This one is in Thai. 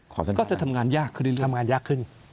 ก็จะทำงานยากขึ้นเรื่อยทำงานยากขึ้น